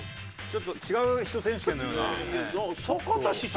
ちょっと違う人選手権のような。